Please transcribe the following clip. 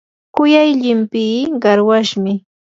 kuyay llimpii qarwashmi.